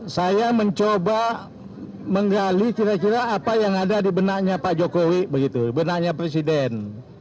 saya mencoba menggali kira kira apa yang ada di benaknya pak jokowi begitu benaknya presiden